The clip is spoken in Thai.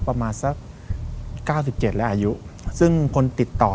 ประมาณสัก๙๗และอายุซึ่งคนติดต่อ